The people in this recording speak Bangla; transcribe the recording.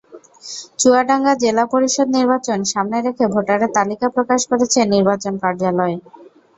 চুয়াডাঙ্গা জেলা পরিষদ নির্বাচন সামনে রেখে ভোটারের তালিকা প্রকাশ করেছে নির্বাচন কার্যালয়।